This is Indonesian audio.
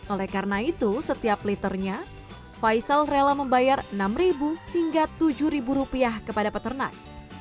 oleh karena itu setiap liternya faisal rela membayar rp enam hingga rp tujuh kepada peternak